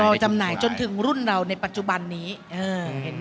ก็จำนายจนถึงรุ่นเราในปัจจุบันนี้เห็นไหม